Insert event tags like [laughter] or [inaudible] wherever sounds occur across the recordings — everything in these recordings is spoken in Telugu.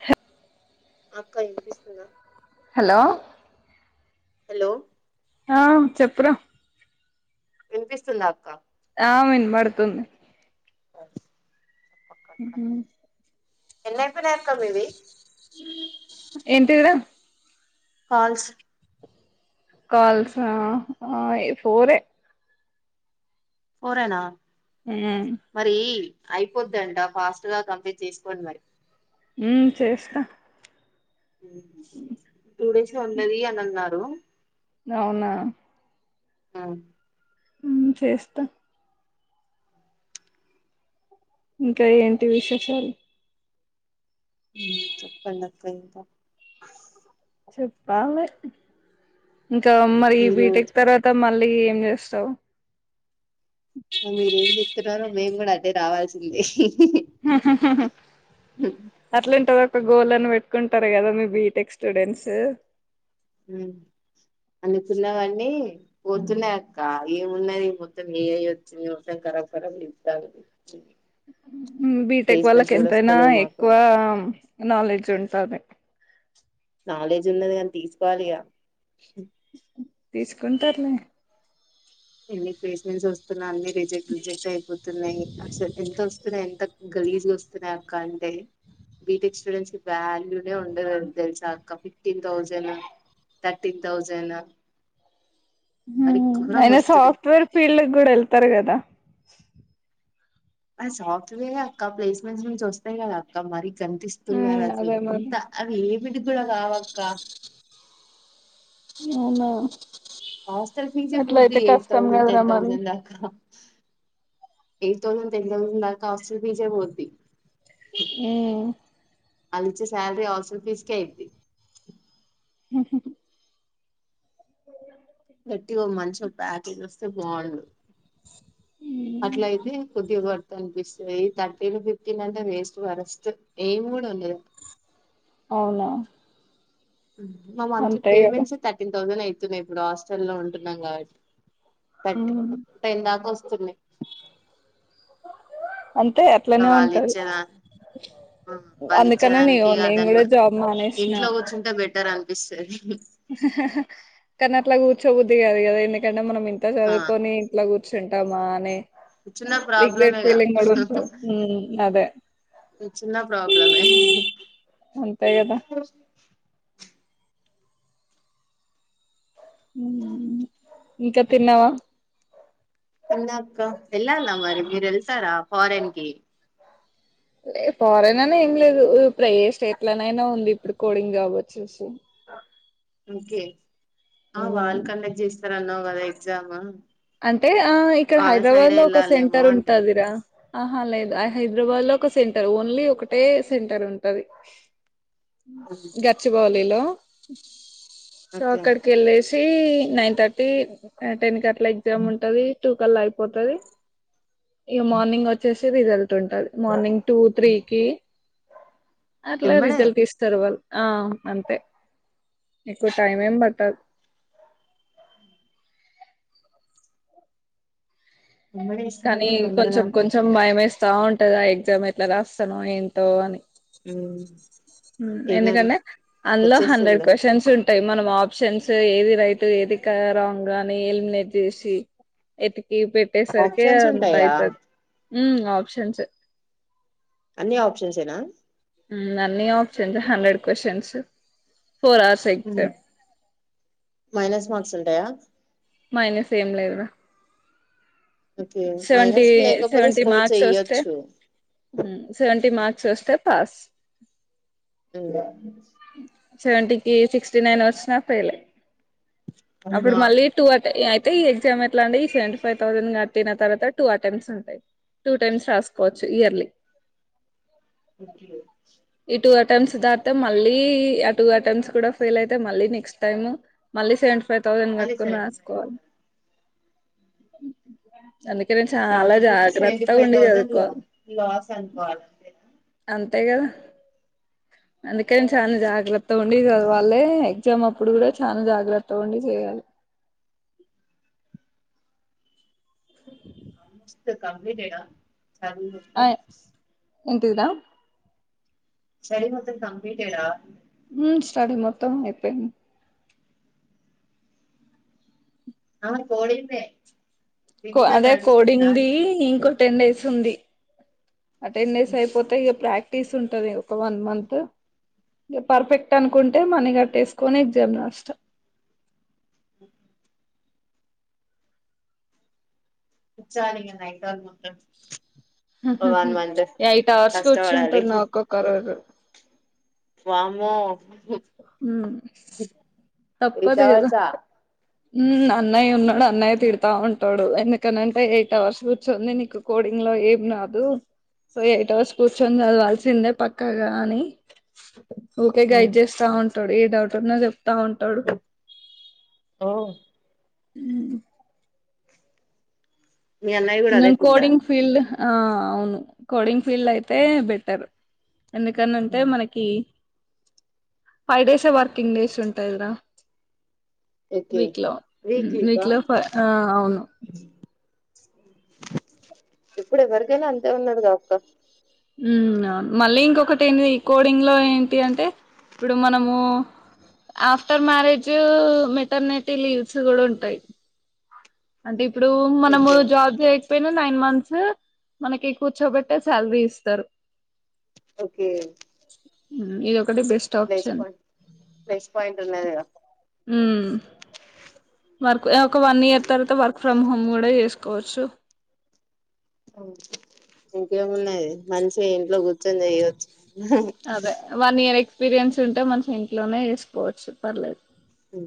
హ అక్కా వినిపిస్తుందా హలో హలో ఆ చెప్పు రా వినిపిస్తుందా అక్క ఆ వినబడుతుంది మ్ ఎన్ అయిపోయినాయి అక్క మీవి ఎంటిర ఫాల్స్ కాల్సా ఆ ఏ పోరే. పోరేనా. ఉమ్ మరీ. అయిపోద్దంట ఫాస్ట్ గా కంప్లీట్ చేసుకోండ్ మరి. ఉమ్ చేస్తా. టూ డేస్ ఉన్నాది అని అంటంర్. హలో. అవునా. ఆ. చేస్తా. ఇంకా ఏంటి విశేషాల్. ఉమ్ చెప్పండన్. కైంత. చెప్పాలే. ఇంకా మరి మీరు బీటెక్ తర్వాత మళ్. ఏం చేస్తావ్. మీరేం చెప్తున్నారో మేము కూడా అదే రావాల్సిందే. అట్లాంటోళ్లకు. గోల్ అని పెట్టుకుంటారూ కదా మీ బీటెక్ స్టూడెంట్స్. ఉమ్ అనుకున్నవాన్ని పోతున్నాయి అక్క. ఏమున్నది మొత్తం ఏ ఐ ఓచ్చింది, మొత్తం ఖరబ్ ఖరాబ్. [unintelligible] ఉమ్ బీటెక్ వాళ్ళకి ప్లేస్మెంట్స్ కూడా ఎంతైనా, వస్తలేవు మాకు ఎక్కువ నాలెడ్జ్ ఉన్. అదే. నాలెడ్జ్ ఉన్నది గాని తీసుకోవాలిగా. తీసుకుంటార్లే. ఎన్ని ప్లేస్ ఓస్తున్నా అన్ని రిజెక్ట్, రిజెక్ట్ అయి. పోతున్నాయి అసలు ఎంత ఓస్తున్నాయి. గలీజ్ గా వస్తున్నాయి అక్క అంటే బీటెక్ స్టూడెస్ కి వాల్యూనే ఉండదు తెలిసా అక్క ఫిఫ్టీన్ థౌజండ్ థర్టీన్ థౌజండ్ మరి ఘోరంగా హుమ్మ్ [unintelligible] వస్తున్నాయి సాఫ్ట్వేర్ ఫీల్డ్ కి గూడా ఎళ్తారు కదా. ఆ సాఫ్ట్వేరే అక్క, ప్లేస్మెంట్స్ నుంచి వస్తాయి కదా అక్క మరి. ఉమ్ కనిపిస్తున్నారు అసలు అదే మరి ఇంత అవి ఇవే. [unintelligible] కావాక్క. అవునా. హాస్టల్ ఫీజే అట్ల పోద్ది అయితే ఎయిట్ కష్టం తౌసండ్, కదరా టెన్ మరి తౌసండ్ దాకా. ఎయిట్ తౌసండ్, టెన్ తౌసండ్ దాకా హాస్టల్ ఫిజే పొద్దీ. ఉమ్. ఆలిచ్చే సాలరీ హాస్టల్ ఫీజ్ కే అయ్యిద్ది. గట్టిగా ఒక మంచి ఒక ప్యాకేజ్ వస్తే బాగుండు. అట్లయితే కొద్దిగా వర్త్ అనిపిస్తది. థర్టీన్, ఫిఫ్టీన్ అంటే వేస్ట్ వరస్ట్. ఏమి కూడా ఉండద్. అవునా. మా మంత్లీ అంతే కదా పేమెంట్స్ థర్టీన్ థౌసండ్ అయి తున్నా ఇప్పుడు హాస్టల్లో ఉంటున్నాం కాబట్టి బట్టి టైం దాక వస్తుంది అంతే అట్లనే వాళ్ళు ఉంటది ఇచ్చేదాని వాళ్ళు అందుకనే ఇచ్చేదానికి ఇగ నేను దాన్ని బ గూడా జాబ్ మానేసినావు నిపిస్తది కని అట్ల కూర్చోబద్ది కాదు కదా ఎందుకంటే మనం అంత ఆ చదువుకని ఇంట్లొ కూర్చుంటామా అని చిన్న రిగ్రెడ్ ప్రాబ్లమేగా ఫీలింగ్ గూడా ఉంటది చిన్న ప్రబ్లమే అంతే కదా ఇంకా తిన్నావా అన్నా అక్క ఎల్లాల మరి మీరు ఎల్తారా ఫారెన్ కి లె ఫారెన్ అనే ఏం లేదు ఇప్పుడు ఏ స్టేట్ లోనైనా ఉంది ఇప్పుడు కోడింగ్ కావచ్చు సొ ఓకే ఆ వాళ్ళు కండక్ట్ చేసి రాత్ర అన్నావ్ కదే ఎగ్జాము అంటే ఆ ఇక్కడ హైదరాబాద్ లో ఒక వెళ్ళాలేమో సెంటర్ అంటున్నా ఉంటందిరా అహ లేదు హైదరాబాద్ లో ఒక సెంటర్ ఓన్లీ ఒకటే సెంటర్ ఉంటది గచ్చిబౌలిలో సొ ఓకే అక్కడికి వెళ్ళే సి అంటే nine thirty ten Katla [unintelligible] to కల్లా అయిపోతది ఇక మార్నింగ్ వచ్చేసరి ఇదల్ ఉంటది మార్నింగ్ టూ త్రీ కి అట్ల ఎంబడే రిజల్ట్ ఇస్తరు వాళ్ళు ఆ అంతే ఎక్కువ టైం ఏం పట్టదు ఎంబడే కానీ ఇస్తారంట తొందరగా కొంచెం కొంచెం భయమేస్తుంది స్తా ఉంటదా ఆ ఎగ్జామ్ ఎట్లా రాస్తానో ఏంటో అని ఉమ్, ఏం కాదు ఎందుకంటే అందులో హండ్రెడ్ వచ్చేస్తుందిలే క్వశ్చన్స్ ఉంటాయి మనం ఆప్షన్స్ ఏది రైటు ఏది క రాంగ్ అని ఎలిమినేట్ చేసి టీవి పెట్టె సరికే ఆప్షన్స్ ఉంటాయా అంతాఅయిపొద్ది ఉమ్ ఆప్షన్స్ఎ అన్ని ఆప్షన్స్ఎనా యూ అన్నీ options hundred questions you minus marks ఉంటాయా మైనస్ ఏం లేదురా ఓకే మైనస్ లేకపోతే స్కోర్ చెయొచ్చు యూ సెవెంటీ మార్క్స్ వస్తే పాస్ ఉ సెవెంటీకి సిక్స్టీ నైన్ వచ్చిన ఫేయిలే ఫెయిల్ లే అవునా అప్పుడు మళ్ళీ టు అటే టే ఈ ఎక్సమ్ ఎట్లండి సెవెంటీ ఫైవ్ థౌజండ్ కట్టిన తర్వాత టూ అటెంప్ట్స్ ఉంటాయి టూ టైమ్స్ రాసుకోవచ్చు ఇయర్లీ ఒకే ఒక్ ఈ టూ అటెంప్ట్స్ దాటితే మళ్ళీ ఆ టూ అటెంప్ట్స్ కూడా ఫెయిల్ అయితే మళ్ళీ నెక్స్ట్ టైమ్ మళ్ళీ సెవెంటీ ఫైవ్ థౌజండ్ మళ్ళీ కట్టుకొని సెవెంటీ ఫైవ్ రాస్కోవాలి కట్టాలి నేను చాలా కాకపోతే సెవెంటీ జాగ్రత్తగా ఫైవ్ ఉండి థౌజండ్ల చదువుకోవాలి లాస్ అనుకోవాలి అంతేనా అంతే కదా అందుకని చలా జాగ్రత్త ఉండి చదవాలి ఎగ్జామ్ అప్పుడు కూడా చానా జాగ్రత్తగా ఉండి చేయాలి ఆల్మోస్ట్ కంప్లీటెడ్ అ చదువు మొత్తం ఏంటిది రా స్టడీ మొత్తం కంప్లీటెడ్ ఆ యూ స్టడీ మొత్తం అయిపోయింది ఆ కోడిందే రివిజన్ అదే నడుస్తుందా కోడింగ్ ది అంటున్నా ఇంకో టెన్ డేస్ స్తుంది ఆ టెన్ డేస్ అయిపోతే ఇక ప్రాక్ టీస్ ఉంటది ఒక వన్ మంత్ ఇ పర్ఫెక్ట్ అనుకుంటే మనీ కట్టేసుకొని ఎగ్జామ్ రాస్తా ఓ కూర్చోవాలా గా నైట్ అవర్లు మొత్తం ఓ హాహా వన్ మంత్ ఎయిట్ అవర్స్ కష్టపడాలి కూర్చుంటున్న ఒక్కొక్క రోజు వామ్మో యూ ఎయిట్ తప్పదు కదా అవర్స్ ఆ ఉ అన్నయ్య ఉన్నా న్నయ్య తిడతావా ఉం టోడు ఎందుకనంటే ఎయిట్ హవర్స్ కూర్చుందే నీకు కోడింగ్ లో ఏం రాదు సో ఎయిట్ అవర్స్ కూర్చొని చదవాల్సిందే పక్కగా అని ఓకే గైడ్ చెస్ ఉంటాడు ఏ డౌట్ వున్నా చెప్తా ఉంటాడు ఓ ఊ మీ అన్నయ్య కూడా నో అదే ఫీల్డా కోడింగ్ ఫీల్డ్ ఆ అవును కోడింగ్ ఫీల్ అయితే బెటర్ ఎందుకనంటే మనకి ఫైవ్ డేస్ ఏ వర్కింగ్ డేస్ ఉంటాయి గద ఓకే వీక్ లో వీక్లీకా వీక్ లో ఫ ఆ అవును ఇప్పుడు ఎవరికైనా అంతే ఉన్నది గాక్క ఊ అవును మళ్ళీ ఇంకొకటి ఏంటిది ఈ కోడింగ్ లో ఏంటి అంటే ఇప్పుడు మనము ఆఫ్టర్ మ్యారేజ్ మెటర్నిటీ లీవ్స్ కూడా ఉంటాయి అంటే ఇప్ ఇప్పుడు మనము ఓకే జాబ్ చే పోయినా నైన్ మంత్స్ మనకి కూర్చోబెట్టే శాలరీ ఇస్తారు ఒకే ఊ ఇగ ప్లేస్ పాయిట్ ప్లేస్ పాయింటున్నది కదా ఊ వర్క్ ఒక వన్ ఇయర్ తర్వాత వర్క్ ఫ్రమ్ హోమ్ కూడా చేసుకోవచ్చు ఇంకేమున్నది మంచిగా ఇంట్లో కూర్చొని చెయచ్చు అదే వన్ ఇయర్ ఎక్స్పీరియన్స్ ఉంటే మంచి ఇం ట్లోనే చేస్కోవచ్చు పర్లేదు ఉ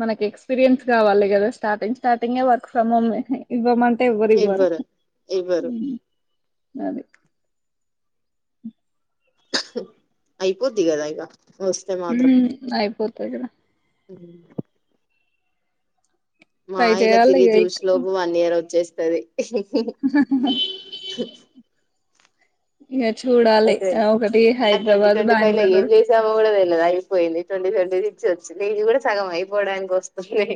మనకి ఎక్స్పీరియన్స్ కావాలి కదా స్టార్టింగ్ స్టార్టింగే వర్క్ ఫ్రమ్ హోమ్ ఇవ్వమ ఎవరు ఇవ్వరు ఇవ్వరు ఊ అది అహ్హ్ అయిపోద్ది కదా ఇగ ఊ అయిపోత్ తె కద ఊ మా ట్రై ఇలా చేయాలి తిరిగి ఇక చూసిన లోపు వన్ ఇయర్ వచ్చేసి సరె [unintelligible] హు ఇగ ఆ టెన్ ఆ ట్వంటీ ట్వంటీ ఫైవ్ లో బెంగళూరు ఏం చేసామో కూడా తెలద అయిపోయింది ట్వంటీ ట్వంటీ సెచ్ నీది కూడా సగం అయిపోవడానికి వస్తుంది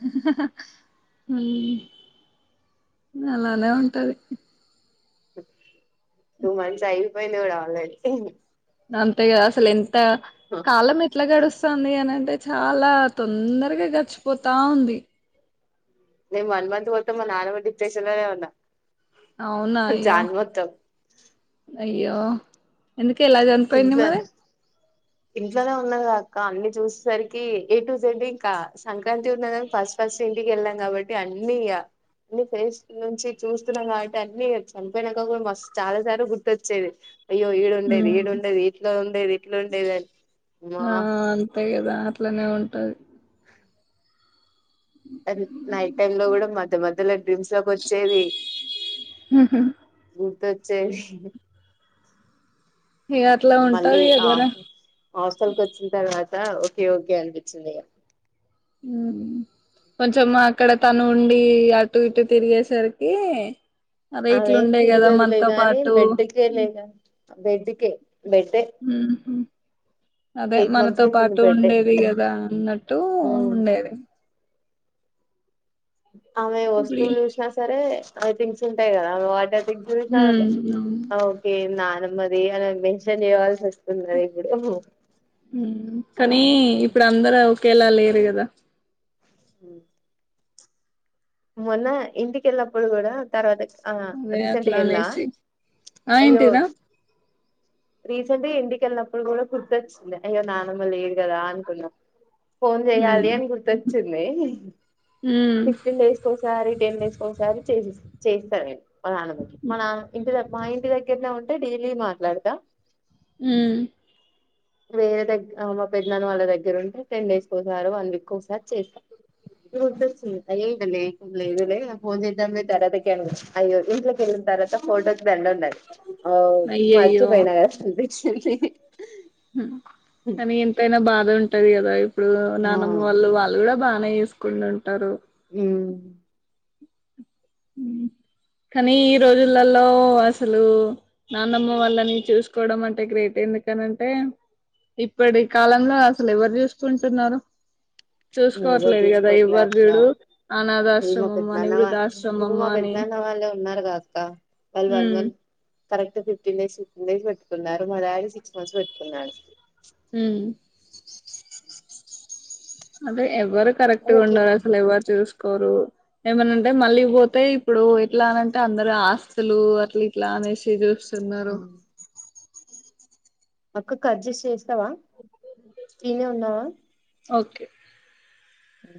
హహహహ ఊ అలానే ఉంటది టూ మంత్స్ ఐపోయింది కూడ కావాలె ఉహ్ నంతె గద అసలు ఎం టీ కాలమే ఎట్లా గడుస్తుంది అని అంటే చాలా తొందరగా గడిచిపోతా ఉంది నేన్ వన్ మంత్ పోతే మ నాలు మ డిప్రెషన్ లోనే ఉన్నా అవునా అయ్యో జాన్ మొత్తం అయ్యో ఎందు ఎలా చనిపోయింది ఇంట్లో మరి ఇంట్లోనే ఉన్నది క అక్క అన్ని చూసేసరికి ఏ టు జెడ్ ఇంకా సంక [unintelligible] ఫస్ట్ ఫస్ట్ ఏంటికి ఎల్ కాబట్టి అన్నిగా, అన్ని ఫేస్ నుంచి చూస్తున్నాం కాబట్టి అన్ని చనిపోయినాక కూడా మ చాలా సార్లు గుర్తొచ్చేది అయ్యో ఈడుండేది ఉమ్ ఈడుండే ఇట్లా ఉండేది ఇట్లా ఉండేదని మా ఆ అంతే కదా అట్లనే ఉంటది నైట్ టైమ్ లో కూడా మధ్య మధ్యలో డ్రీమ్స్ లోకి వచ్చేది గుర్ చే ఇగ అట్లా మళ్ళీ ఉంటది ఆ కదరా హా హస్టల్కి వచ్చిన తర్వాత ఓకే ఓకే అనిపిించింది ఇగ మ్ కొంచెం అక్కడ తను ఉండి అటు ఇటు తిరిగేసరికి అదే అవేం ఇట్లుండే కదా తిరగదులే మనతో గానీ పాటు బెడ్డకే లేగాని బెడ్ కి హ్మ్మ్ అదే ఎయిట్ మంత్స్ మనతో అయితుంది పాటు బెడ్ ఉండేది గదా అన్నట్టు ఉండేది ఆమె ఇప్పుడు వస్తువులు చూసినా సరే అవిథింగ్స్ ఉంటాయి కదా అవి వాటర్ ఉమ్ అవును [unintelligible] ఒకే నా మది అన మెన్షన్ చేయవాల్సి వచ్ ంద ఇప్పుడు నీ ఇప్పుడు అందరు ఒకేలా లేరు కదా మొన్న ఇంటికిళ్ళినప్పుడు కూడా తర్వాత ఆ నీవే అట్లా రీసెంట్గా వెళ్ళా అనేసి ఆ అయ్యో ఎంటిదా రీసెంట్గా ఇంటికెళ్ళినప్పుడు కూడా గుర్తొచ్చింది అయ్యో నానమ్మ లేదు కదా అనుకున్నా ఫోన్ ఉమ్ చెయ్యాలి అని గుర్తొచ్చింది ఉమ్ చేసుకోస రి టెన్సుకోసారి చేసి చేస్తా నేను అ మా నాన్నమ్మ కి మా నాన ఇంటి మా ఇంటి దగ్గరనే ఉం అంటే డైలీ మాట్లాడెదా. హ్మ్ వేరే దగ్గ మా పెద్దనాన్న వాళ్ళ దగ్గర ఉంటే టెన్ డేస్కి ఒసారొ, వన్ వీక్ ఒకసారి చేస్తా. ఎవరు తెర్సింది. అయ్యో ఇడ లేదు లే ఇగా ఫోన్ చేద్దాం లే తర్వాతకి అనుకున్న అయ్యో ఇంట్లోకి వెళ్ళిన తర్వాత ఫోటోస్ [unintelligible] ఉన్నది. ఓ అయ్యయ్యో మర్చిపోయిన కదా శృతి [unintelligible] కాని ఎంతైనా బాధ ఉం టది కదా ఇప్ ప్పుడు ఆ నాన్నమ్మ వాళ్ళు వాళ్ళు కూడా బానే చూసుకుని ఉంటరు. హ్మ్ హ్ కానీ ఈ రోజులలో అసలు నాన్నమ్మ వాళ్ళని చూసుకోవడం అంటే గ్రేటే. ఎందుకనింటే ఇప్పటి కాలంలో అసలు ఎవరు చూసుకుంటున్నరు. ఎవరు చూసుకోవట్లేదు కదా చూసుకోవట్లే ఎవరు అక్క చూడు అనాధ ఈ మా ఆశ్రమం అని, పెద్దనాన్న వాళ్ళ వృద్ధాశ్ర ఇప్పుడు మా పెద్దనాన్న వాళ్ళే ఉన్నారుగా అక్కా వాళ్ళు ఉమ్ one correct fifteen days fifteen days పెట్టుకున్నారు. మా డాడి సిక్స్ మంత్స్ పెట్టుకున్నాడు. హ్మ్ అవే ఎవరు కరెట్గా ఓకే ఉండరు అసలు ఎవరు చూసు కోరు ఏమనంటే మళ్ళీ పోతే ఇప్పుడు ఎట్లా అనంటే అందరు ఆస్తులు అట్లా ఇట్లా అనేసి సు తిన్నారు అక్క కట్ చేసి చేస్ స్తవా ఇన్నే ఉన్నవా. ఓకే అ